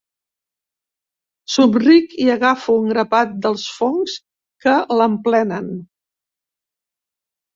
Somric i agafo un grapat dels fongs que l'emplenen.